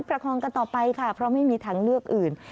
ประคองกันต่อไปค่ะเพราะไม่มีทางเลือกอื่น